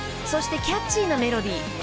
［そしてキャッチーなメロディー］